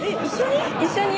一緒に？